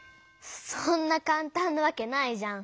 そんなかんたんなわけないじゃん。